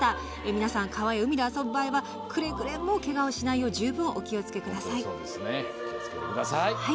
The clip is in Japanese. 皆さん、川や海で遊ぶ場合はくれぐれもけがをしないよう十分にお気をつけください。